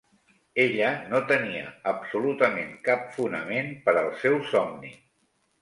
Ella no tenia absolutament cap fonament per al seu somni.